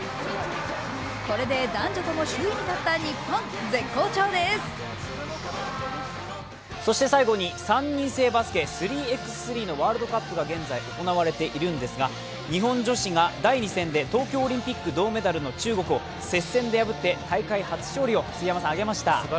これで男女とも首位に立った日本そして最後に３人制バスケ３×３はワールドカップが現在行われているんですが日本女子が第２戦で東京オリンピック銅メダルの中国を接戦で破って大会初勝利をあげました。